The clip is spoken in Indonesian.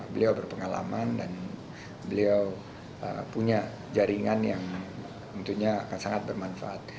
beliau berpengalaman dan beliau punya jaringan yang tentunya akan sangat bermanfaat